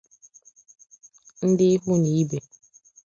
ndị ikwu na ibe